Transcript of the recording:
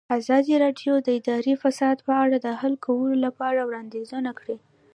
ازادي راډیو د اداري فساد په اړه د حل کولو لپاره وړاندیزونه کړي.